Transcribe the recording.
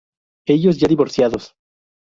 Ellos ya divorciados.